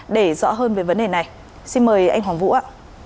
để rõ hơn về vấn đề này xin mời anh hoàng vũ ạ